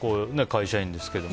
会社員ですけど。